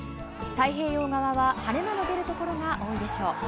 太平洋側は晴れ間の出るところが多いでしょう。